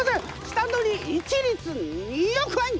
下取り一律２億円！